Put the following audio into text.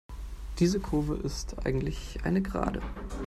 Diese Kurve ist eigentlich eine Gerade.